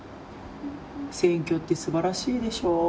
選挙って素晴らしいでしょ？